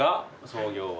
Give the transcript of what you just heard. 創業は。